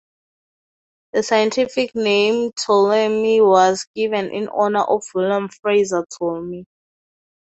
The scientific name "tolmiei" was given in honor of William Fraser Tolmie.